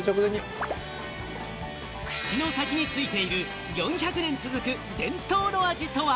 串の先についている４００年続く伝統の味とは？